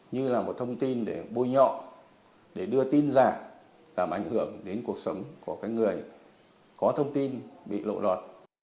như là một thông tin để bôi nhọ để đưa tin giả làm ảnh hưởng đến cuộc sống của người có thông tin bị lộ lọt